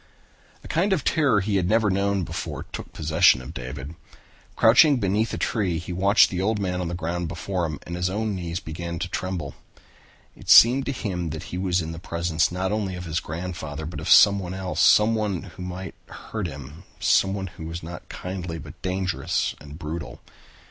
A kind of terror he had never known before took possession of David. Crouching beneath a tree he watched the man on the ground before him and his own knees began to tremble. It seemed to him that he was in the presence not only of his grandfather but of someone else, someone who might hurt him, someone who was not kindly but dangerous and brutal.